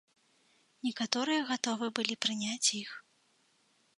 Некаторыя гатовы былі прыняць іх.